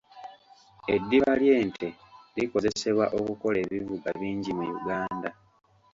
Eddiba ly'ente likozesebwa okukola ebivuga bingi mu Uganda.